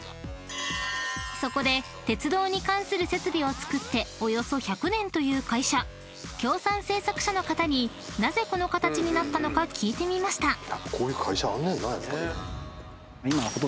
［そこで鉄道に関する設備を造っておよそ１００年という会社京三製作所の方になぜこの形になったのか聞いてみました］